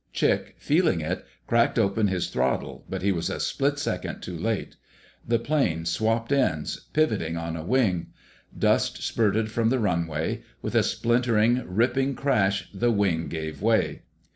Chick, feeling it, cracked open his throttle, but he was a split second too late. The plane swapped ends, pivoting on a wing. Dust spurted from the runway. With a splintering, ripping crash the wing gave way.